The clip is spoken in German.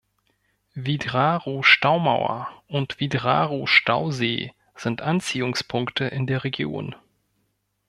Vidraru-Staumauer und Vidraru-Stausee sind Anziehungspunkte in der Region.